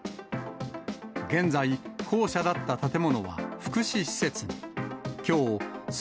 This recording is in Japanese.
現在、校舎だった建物は福祉施設に。